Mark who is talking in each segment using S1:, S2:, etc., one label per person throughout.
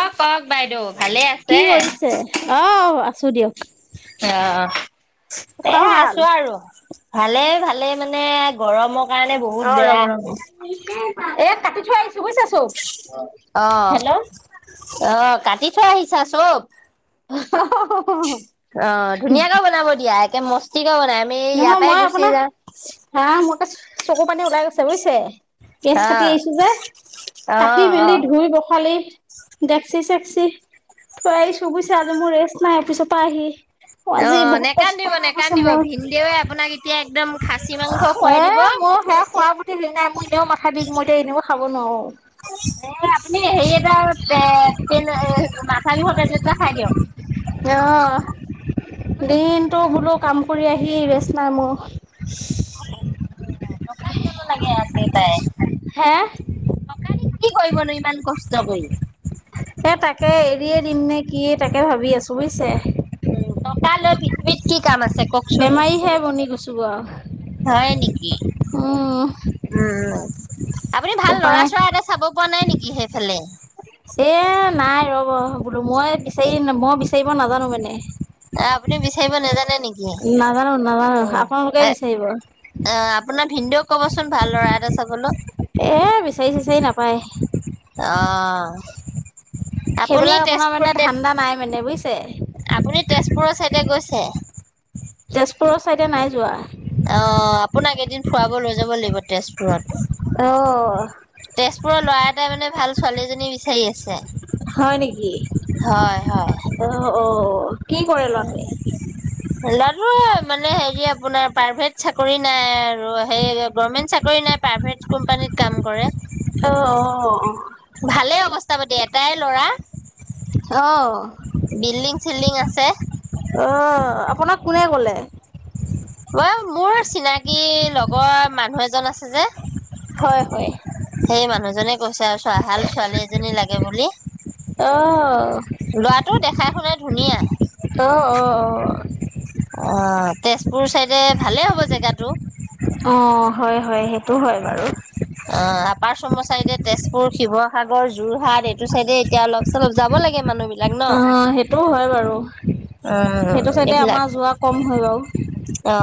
S1: অ কওক বাইদেউ ভালে
S2: কি
S1: আছে?
S2: কৰিছে অ আছো দিয়ক
S1: অ এ
S2: আপোনাৰ ভাল?
S1: আছো আৰু ভালে ভালে মানে গৰমক
S2: অ ৰব ৰব এ কাটি থৈ আহিছো বুইছে চোক
S1: অহ অহ কাটি থৈ আহিছা চব
S2: [unintelligible]
S1: অ ধুনীয়াকে বনাব দিয়া একে মস্তিকে বনাই আমি ইয়াৰ
S2: নহয়
S1: পাই
S2: মই
S1: গুচি
S2: আপোনাৰ
S1: যা
S2: হা মোৰত চকু পানী ওলাই গৈছে বুইছে পিয়াঁজ
S1: অ
S2: কাটি আহিছো যে
S1: অ
S2: কাটি
S1: অ
S2: মেলি ধুই বখালি দেকছি চেকছি থই আহিছো বুইছে আজি মোৰ ৰেষ্ট নাই অফিচৰ পৰা আহি অ আজি বহুত কষ্ট হৈছে মোৰ
S1: দেউৱে আপোনাক এতিয়া একদম খাচী মাংস খুৱাই দিব
S2: মোৰ [unintelligible] নাই মো এনেও মাথা বিষ মই এতিয়া এনেও খাব নোৱাৰো
S1: এ আপুনি হেৰি এটা তে পিল এ মাথা বিষৰ টেবলেট এটা খাই দিয়ক
S2: নাইহোৱা [unintelligible]
S1: বুজিছে
S2: দিনতটো বোলো কাম কৰি আহি ৰেষ্ট নাই মোৰ।
S1: কল লাগে আছে তাই [unintelligible]
S2: হে
S1: কি কৰিবনো ইমান কষ্ট কৰি।
S2: এ তাকে এৰিয়ে দিম নে কি তাকে ভাবি আছো বুজিছে।
S1: উ টকা লৈ পৃথিৱীত কি কাম আছে। কওকচোন
S2: বেমাৰীহে বনি গৈছো। আৰু
S1: হয় নেকি
S2: উম
S1: উম আপুনি ভাল লৰা
S2: উপায়
S1: চৰা এটা চাব পোৱা নাই নেকি সেইফালে-
S2: এ নাই ৰব বোলো মই বিচাৰি মই বিচাৰিব নাজানো মানে।
S1: আপুনি বিচাৰিব নেজানে নেকি অ'।
S2: নাজানো নাজানো আকৌ মোকে
S1: এ
S2: বিচাৰিব।
S1: অ আপোনাৰ ভিনদেউক কবচোন ভাল ল'ৰা এটা চাবলৈ।
S2: এ বিচাৰি তিচাৰি নাপায়।
S1: অ আপুনি
S2: সেইবিলাক আপোনাৰ
S1: তেজপুৰ
S2: মানে
S1: তে
S2: ধান্দা নাই মানে বুজিছে।
S1: আপুনি তেজপুৰৰ চাইডে গৈছে।
S2: তেজপুৰৰ ছাইডে নাই যোৱা।
S1: অ আপোনাক এদিন ফুৰাব লৈ যাব লাগিব
S2: অ
S1: তেজপুৰত- তেজপুৰৰ ল'ৰা এটাই মানে ভাল ছোৱালীজনী বিচাৰি আছে। হয় হয়।
S2: অঁ অঁ
S1: উ ল'ৰাটো মানে হেৰি আপোনাৰ প্ৰাইভেট চাকৰি নাই। আৰু সেই গভমেন্ট, চাকৰি নাই প্ৰাইভেট কোম্পানীত কাম কৰে।
S2: অ অ অ
S1: ভালে অৱস্থা পাতি এটাই ল'ৰা।
S2: আ
S1: বিল্ডিং চিল্ডিং আছে।
S2: অ আপোনাক কোনে কলে
S1: অ মোৰ চিনাকি লগৰ মানুহ এজন আছে। যে
S2: হয় হয়।
S1: সেই মানুহজনে কৈছে আৰু চ ভাল ছোৱালী এজনী লাগে বুলি।
S2: অ',
S1: ল'ৰাটো দেখাই শুনাই ধুনীয়া।
S2: অ অ অ
S1: অ তেজপুৰ চাইডে ভালে হ'ব জেগাটো।
S2: অ হয় হয় সেইটো হয়। বাৰু
S1: অ আপাৰ আসামৰ তেজপুৰ, শিৱসাগৰ, যোৰহাট, সেইটো চাইডে এতিয়া অলপ চলপ যাব লাগে মানুহ বিলাক ন।
S2: সেইটো হয়। বাৰু সেইটো
S1: উম
S2: চাইডে
S1: এইবিলাক
S2: আমাৰ যোৱা কম হয় বাৰু।
S1: অ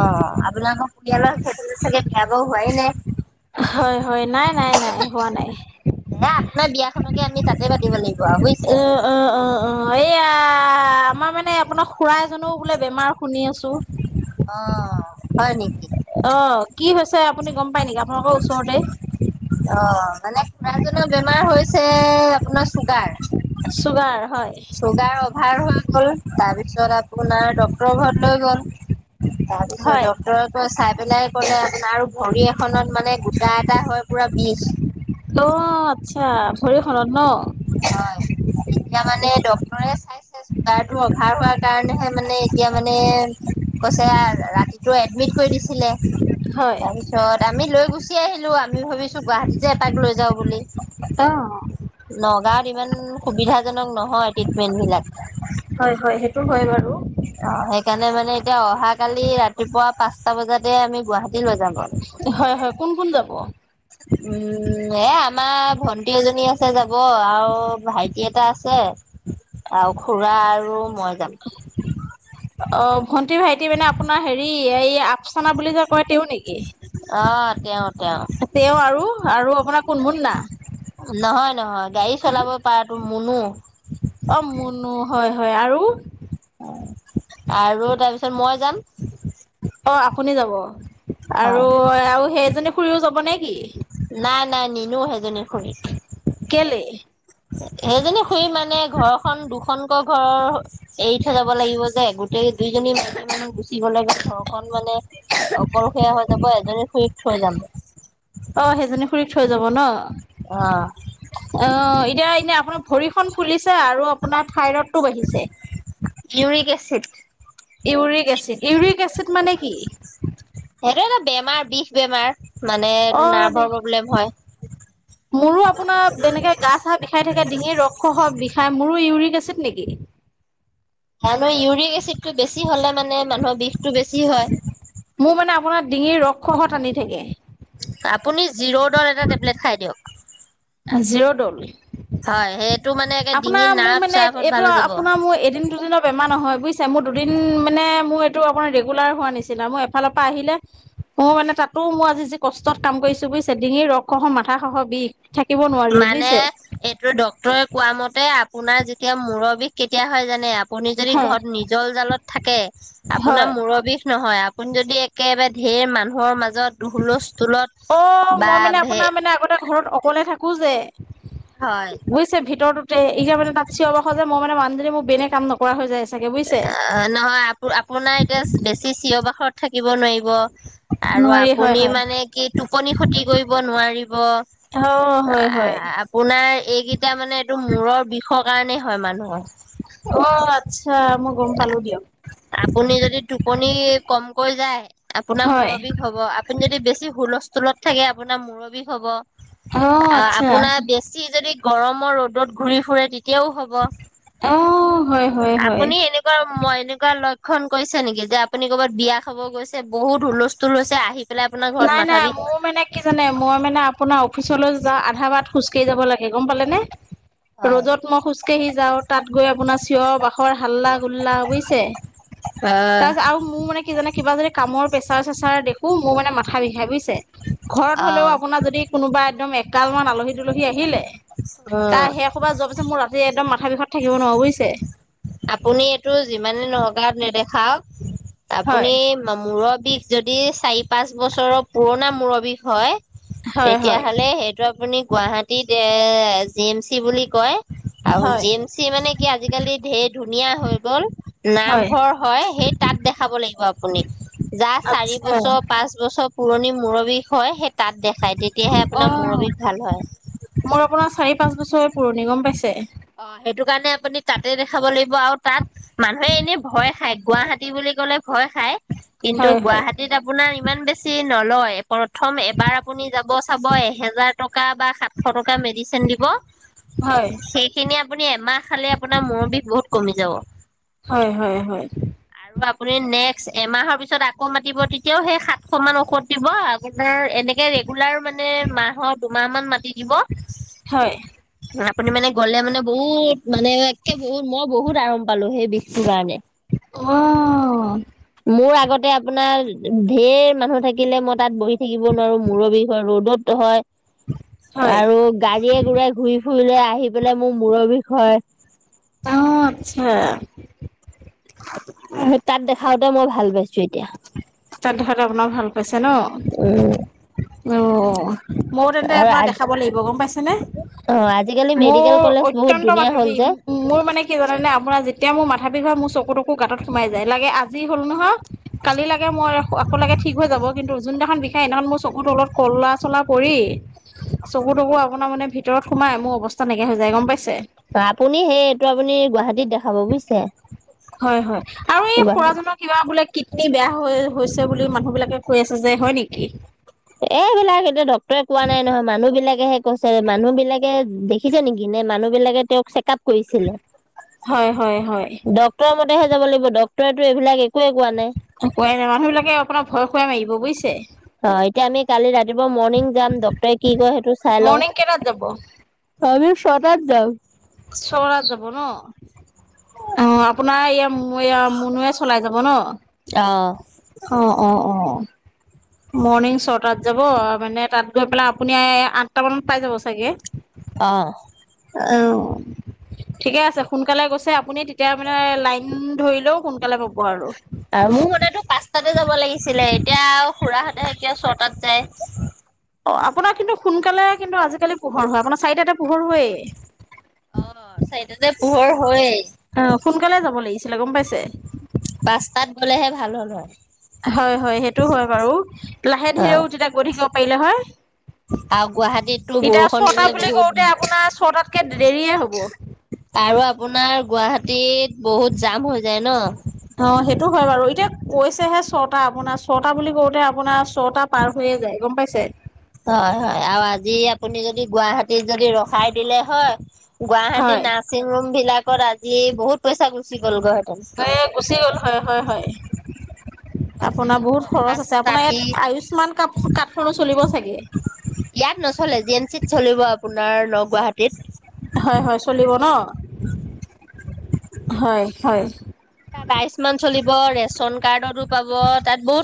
S1: আপোনাৰ পৰিয়ালৰ সেইটো চাগে বিয়া বাৰু হোৱাই নাই।
S2: হয় হয় নাই নাই নাই হোৱা নাই।
S1: এ আপোনাৰ বিয়াখনকে আমি তাতে পাতিব লাগিব। আৰু বুজিছে
S2: অ অ অ অ এইয়া আমাৰ মানে আপোনাৰ খুৰাই এজনেও বোলে বেমাৰ শুনি আছো।
S1: অ হয় নকি?
S2: অ কি হৈছে আপুনি গম পায় নেকি? আপোনালোকৰ ওচৰতে
S1: অ মানে খজনৰ বেমাৰ হৈছে আপোনাৰ চুগাৰ।
S2: চুগাৰ হয়
S1: চুগাৰ অভাৰ হৈ গ'ল তাৰপিছত আপোনাৰ ডক্তৰ ঘৰত লৈ গল তাৰ পিছত
S2: হয়।
S1: ডক্টৰে কয় চাই পেলাই কলে তাৰ ভৰি এখনত মানে গোটা এটা হয় পুৰা বিষ।
S2: তো আচ্ছা ভৰিখনত ন?
S1: হয় এতিয়া মানে ডক্টৰে চাই চুগাৰতো অভাৱ হোৱাৰ কাৰণেহে মানে এতিয়া মানে কৈছে আও ৰাতিটো এডমিট কৰি দিছিলে
S2: হয়,
S1: তাৰপিছত আমি লৈ গুচি আহিলোঁ আমি ভাবিছোঁ গুৱাহাটীতে এপাক লৈ যাওঁ বুলি।
S2: অহ
S1: নগাঁওত ইমান সুবিধাজনক নহয় ট্ৰিটমেন্ট বিলাক।
S2: হয় হয় সেইটো হয় বাৰু।
S1: অহ সেইকাৰণে মানে এতিয়া অহা কালি ৰাতিপুৱা পাঁচটা বজাতে আমি গুৱাহাটী লৈ যাম ক
S2: হয় হয় কোন কোন যাব?
S1: উম এ আমাৰ ভন্টি এজনী আছে যাব আও অ‌ ভাইটি এটা আছে আৰু খুড়া আৰু মই যাম
S2: অ ভন্টি ভাইটি মানে আপোনাৰ হেৰি এই চৌনা বুলি যে কয় তেওঁ নেকি।
S1: অ তেওঁ তেওঁ
S2: তেওঁ আৰু আৰু আপোনাৰ কোন মুন্না?
S1: নহয় নহয় গাড়ী চলাব পৰাতো মুনো।
S2: অ মুনো হয় হয় আৰু।
S1: আৰু তাৰপিছত মই যাম
S2: অ আপুনি যাব আৰু
S1: হয়
S2: আৰু সেইজনী খুৰীও যাব নে কি
S1: নাই নাই নিনো সেইজনী খুৰীক
S2: কেলে?
S1: সেইজনী খুড়ী মানে ঘৰখন দুখনকৈ ঘৰৰ এৰি থৈ যাব লাগিব যে যে গোটেই দুইজনী মাইকী মানুহ গুচি যায় গুচি গে ঘৰখন মানে অকলশৰীয়া হৈ যাব এজনী খুড়ীক থৈ যাম।
S2: অ'হ সেইজনী খুুৰীক থৈ যাব ন'।
S1: অহ
S2: অহ' এতিয়া এনে আপোনাৰ ভৰিখন ফুলিছে আৰু আপোনাৰ থাই ৰডটো বাঢ়িছে।
S1: Uric acid
S2: uric acid uric acid মানে কি
S1: সেইটো এটা বেমাৰ বিষ বেমাৰ মানে
S2: অ
S1: এইটো
S2: বে
S1: নাৰ্ভৰ প্ৰব্লেম হয়
S2: মোৰো আপোনাৰ যেনেকে গা চা বিষাই থাকে ডিঙিৰ ৰস হ বিষাই মোৰো ইউৰিক এচিড নেকি
S1: মানুহৰ ইউৰিক এচিডতটো বেছি হ'লে মানে মানুহৰ বিষটো বেছি হয়
S2: মোৰ মানে আপোনাৰ ডিঙিৰ ৰসত টানি থাকে
S1: আপুনি জিৰ'ডাৰএটা টেবলেট খাই দিয়ক
S2: অহ জিঅ' দ'।
S1: হয় সেইটো মানে একে
S2: আপোনাৰ
S1: ডিঙিৰ
S2: মোৰ
S1: নাৰ্ভ
S2: মানে
S1: চাৰ্ভত
S2: এইটো
S1: ভাল হৈ যাব।
S2: আপোনাৰ মোৰ এদিন দুদিনত বেমাৰ নহয় বুজিছে মোৰ দুদিন মানে মোৰ এইটো আপোনাৰ ৰেগুলাৰ হোৱা নিচিনা মই এফালৰ পৰা আহিলে মই মানে তাতো মই আজি যি কষ্টত কাম কৰিছো বুজিছে ডিঙিৰ ৰসহ মাথা খহৰ বিষ থাকিব নোৱা
S1: মানে এইটো ডক্টৰে কোৱা মতে আপোনাৰ যেতিয়া মূৰৰ বিষ কেতিয়া হয় জানে আপুনি যদি
S2: হয়
S1: ঘৰত নিজৰ জালত থাকে আপোনাৰ
S2: হয়
S1: মূৰৰ বিষ নহয়। [inaudible] যদি একেবাৰে ঢেৰ মানুহৰ মাজত হুলস্থুলত
S2: অ
S1: বা
S2: মই মানে
S1: ধে।
S2: আপোনাৰ মানে আগতে ঘৰত অকলে থাকোঁ যে।
S1: হয়।
S2: বুজিছে ভিতৰতে এই যে মান তাত চিঞৰ বাখৰ মানে মানুহজনী মোক বেনে কামত। কোৱা হৈ যায় চাগে। বুজিছে।
S1: অ নহয় আপ আপোনাৰ এতিয়া বেছি চিঞৰ বাখৰত থাকিব নোৱাৰিব। আৰু
S2: নোৱাৰি হয়
S1: আপুনি
S2: হয়।
S1: মানে কি টোপনি ক্ষতি কৰিব নোৱাৰিব।
S2: অ হয় হয়।
S1: আপোনাৰ এইকেইটা মানে এইটো মূৰৰ বিষৰ কাৰণেই হয় মানুহ।
S2: অ আচ্ছা মই গম পালো দিয়া।
S1: আপুনি যদি টোপনি কমকৈ যায় আপোনাৰ
S2: হয়।
S1: মুৰৰ বিষ। হব আপুনি যদি বেছি হুলস্থুলত থাকে আপোনাৰ মুৰৰ বিষ হবহ
S2: অ'
S1: আ
S2: আচ্ছা
S1: আপোনাৰ বেছি যদি গৰমৰ ৰ'দত ঘূৰি ফুৰে তেতিয়াও হ'ব। ব
S2: অ' হয় হয় হয়।
S1: আপুনি এনেকুৱা মই এনে। কোৱা লক্ষণ কৈছে নেকি যে আপুনি ক'ৰবাত বিয়া খাব গৈছে বহুত হুলস্থুল হৈছে আহি। পেলাই আপোনাৰ ঘৰত
S2: নাই
S1: মাথা
S2: নাই
S1: বিষ
S2: মোৰ মানে কি জানে মই মানে। আপোনাৰ অফিচলৈ যা আধা বাট খোজকাঢ়ি যাব লাগে গ'ম পালেনে,
S1: হয়
S2: ৰ'দত মই খোজ। কেহি যাও তাত গৈ আপোনাৰ চিঞৰ বাখৰ হাল্লা গুল্লা বুজিছে। তাৰপিছত আৰু মোৰ মানে কি জানে কিবা যদি কামৰ প্ৰেছাৰ চেচাৰ দেখো মোৰ মানে মা। ঠা বিষাই বুজিছে ঘৰত
S1: অ'
S2: হলেও আপোনাৰ যদি কোনোবা একদম একাল মান আলহী ডুলহী আহিলে। তা
S1: উম
S2: সেইসোপা যোৱাৰ পিছত মোৰ ৰাতি একদম মাথা বিষত থাকিব নোৱাৰো বুজিছে।
S1: আপুনি এইটো যিমানেই নগাঁৱত নেদেখাওঁক
S2: হয়।
S1: আপুনি। মূৰৰ বিষ যদি চাৰি পাঁচ বছৰৰ পুৰণা মূৰৰ বিষ হয়।
S2: হয় হয়।
S1: তেতিয়াহ'লে সেইটো আপুনি গুৱাহাটীত এ জি এম চি বুলি কয়। আৰু
S2: হয়।
S1: জি এম চি মানে কি আজিকালি ধে ধুনীয়া হৈ গ'ল। নাভ
S2: হয়
S1: ঘৰৰ হয়াই সেই তাত দেখাব লাগিব আপুনি। যা চাৰি
S2: আচ্ছা
S1: বছৰ পাঁচ বছৰ। পুৰণি মূৰৰ বিষ হয় সেই তাঁত দেখায় তেতিয়াহে
S2: অ
S1: আপোনাৰ মূৰৰ বিষ ভাল হয়।
S2: মোৰ আপোনাৰ চাৰি পাঁচ বছৰৰ পুৰণিগম পাইছে।
S1: অ সেইটো কাৰণে আপুনি। তাতে দেখাব লাগিব আৰু তাত মানুহে এনেই ভয় খায় গুৱাহাটী বুলি ক'লে ভয় খায়। কিন্তু
S2: হয় হয়
S1: গুৱাহাটীত আপোনাৰ ইমান বেছি নলয়। প্ৰথম এবাৰ আপুনি যাব চাব এহেজাৰ টকা বা সাতশ টকা মেডিচিন দিব।
S2: হয়।
S1: খিনি আপুনি এমাহ খালে আপোনাৰ মূৰ বিষ বহুত কমি যাব।
S2: হয় হয় হয়।
S1: আৰু আপুনি নেক্সট এমাহৰ পিছত আকৌ মাতিব তেতিয়াও সেই সাত। অকমান ঔষধ দিব আপোনাৰ এনেকে ৰেগুলাৰ মানে মাহৰ দুমাহ মান মাতি।
S2: হয়
S1: [unintelligible] আপুনি মানে। গ'লে মানে বহুত মানে একে বহুত মই বহুত আৰাম পালো সেই বিষটোৰ কাৰণে।
S2: অ।
S1: মোৰ আগতে আপোনাৰ ঢেৰ মানুহ থাকিলে মই তাত বহি থাকিব নোৱাৰো মুৰৰ বিষ। ৰ'দত হয়।।
S2: হয়
S1: আৰু গাড়ীয়ে ঘুৰা ঘূৰি ফুৰিলে আহি পেলাই মোৰ মূৰৰ বিষ হয়।
S2: অ' আচ্ছা।
S1: তাত দেখাওতে মই ভাল পাইছো এতিয়া।
S2: তাত দেখাওতে আপোনাৰ ভাল পাইছে
S1: উম
S2: ন? অ ময়ো তেন্তে
S1: আৰু
S2: আপোনাৰ
S1: আজি
S2: দেখাব লাগিব, গম পাইছেনে?
S1: অ আজিকালি মেডিকেল
S2: মোৰ
S1: কলেজ বহুত
S2: অত্যন্ত
S1: ধুনীয়া
S2: মাথাৰ
S1: হ'ল
S2: বিষ।
S1: যে
S2: মোৰ মানে কি জানেনে? আপোনাৰ যেতিয়া মোৰ মাথা বিষ হয় মোৰ চকুটকু গাঁতত সোমাই যায়, লাগে আজি হ'ল নহয় কালিলে মই আক লাগে ঠিক হৈ যাব কিন্তু যোনদিনাখন বিষাই সিদিনাখন মোৰ চকুুৰ তলত কলা চলা পৰি চকু তকু আপোনাৰ মানে ভিতৰত সোমাই মোৰ অৱস্থা নাইকিয়া হৈ যায়, গম পাইছে?
S1: আপুনি সেই এইটো আপুনি গুৱাহাটীত দেখাব বুইছে,
S2: হয় হয়। আৰু এই
S1: গুৱাহাটীত
S2: খুৰাজনৰ কিবা বোলে কিডনী বেয়া হৈ হৈছে বুলি মানুহ বিলাকে কৈ আছে যে, হয় নেকি?
S1: এইবিলাক সেইটো ডক্তৰে কোৱা নাই নহয়, মানুহ বিলাকেহে কৈছে মানুহ বিলাকে দে দেখিছে নেকি নে মানুহ বিলাকে তেওঁক চেক আপ কৰিছিলে?
S2: হয় হয় হয়।
S1: ডক ডাক্তৰৰ মতেহে যাব লাগিব, ডক্তৰেতো এইবিলাক একোৱে কোৱা নাই।
S2: কোৱাই নাই মানুহ বিলাকে অপোনাক ভয় খুৱাই মাৰিব, বুইছে।
S1: অ এতিয়া আমি কালি ৰাতিপুৱা মৰ্ণিং যাম ডক্তৰে কি কয় সেইটো চাই
S2: মৰ্ণিং কেইটাত
S1: লওঁ।
S2: যাব?
S1: আমি ছটাত যাওঁ।
S2: ছটাত যাব ন? অ আপোনাৰ এইয়া এইয়া মুনুয়ে চলাই যাব ন?
S1: অ।
S2: অ অ অ অ। মৰ্ণিং ছটাত যাব মানে তাত গৈ পেলাই আপুনি আঠটা মানত পাই যাব চাগে?
S1: অঁহ।
S2: অহ। ঠিকে আছে সোনকালে গৈছে আপুনি তেতিয়া মানে লাইন ধৰিলেও সোনকালে পাব আৰু।
S1: মোৰ মতেটো পাঁচটাতে যাব লাগিছিলে এতিয়া খুৰাহঁতেহে কিয় ছটাত যায়।
S2: অ আপোনাৰ কিন্তু সোনকালে কিন্তু আজিকালি পোহৰ হয়, আপোনাৰ চাৰিটাতে পোহৰ হয়েই।
S1: অ চাৰিটাতে পোহৰ হয়েই।
S2: আহ সোনকালে যাব লাগিছিলে গম পাইছে।
S1: পাঁচটাত গ'লেহে ভাল হ'ল হয়।
S2: হয় হয় সেইটো হয় বাৰু, লাহে
S1: অ',
S2: ধীৰেও তেতিয়া গৈ থাকিব পাৰিলে হয়।
S1: আৰু গুৱাহাটীততো
S2: এতিয়া
S1: বৰষুণ
S2: ছটা
S1: দিলে
S2: বুলি
S1: বহুত
S2: কওতে আপোনাৰ ছটাতকে দেৰিয়ে হ'ব।
S1: আৰু আপোনাৰ গুৱাহাটীত বহুত জাম হৈ যায় ন।
S2: অ সেইটো হয় বাৰু, এতিয়া কৈছেহে ছটা আপোনাৰ ছটা বুলি কওঁতে আপোনাৰ ছটা পাৰ হৈয়ে যায়, গম পাইছে?
S1: হয় হয় আৰু আজি আপুনি যদি গুৱাহাটীত যদি ৰখাই দিলে হয় গুৱাহাটীৰ
S2: হয়
S1: নাৰ্ছিং হোম বিলাকত আজি বহুত পইচা গুচি গ'লগৈ হেঁতেন।
S2: এই গুচি গ'ল হয় হয় হয়।
S1: কমচে
S2: আপোনাৰ
S1: কম
S2: বহুত খৰচ
S1: পঞ্চাশ
S2: আছে, আপোনাৰ ইয়াত
S1: ষাঠি
S2: আয়ুস্মান কাৰ্ড কাৰ্ডখনো চলিব চাগে।
S1: ইয়াত নচলে জি এন চিত চলিব আপোনাৰ ন গুৱাহাটীত।
S2: হয় হয় চলিব ন? হয় হয়।
S1: তাত আয়ুস্মান চলিব ৰেচন কাৰ্ডতো পাব তাত বহুত